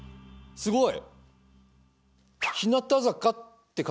すごい。